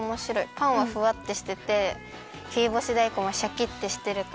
パンはふわってしてて切りぼしだいこんはシャキってしてるから。